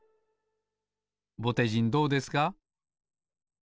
ぼてじんどうですか？